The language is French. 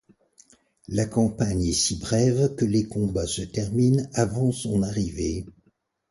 La campagne est si brève que les combats se terminent avant son arrivée.